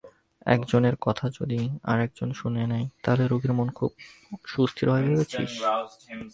একজনের কথা যদি আর-একজন শুনে নেয় তাতে রোগীর মন খুব সুস্থির হয় ভেবেছিস?